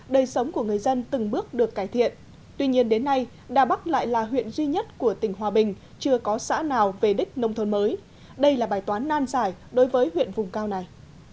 đời sống của người dân từng bước được cải thiện tuy nhiên đến nay đà bắc lại là huyện duy nhất của tỉnh hòa bình chưa có xã nào về đích nông thôn mới đây là bài toán nan giải đối với huyện vùng cao này